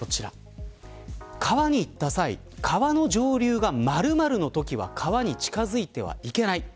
川に行った際川の上流が〇〇のときは川に近づいてはいけない。